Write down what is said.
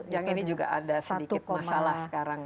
yang ini juga ada sedikit masalah sekarang